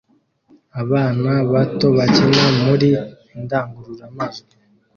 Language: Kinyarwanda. Abana bato bakina muri indangurura majwi